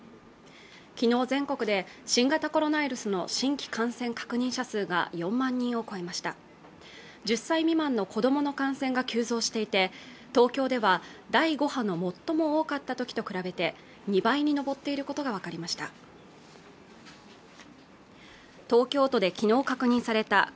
昨日全国で新型コロナウイルスの新規感染確認者数が４万人を超えました１０歳未満の子どもの感染が急増していて東京では第５波の最も多かったときと比べて２倍に上っていることが分かりました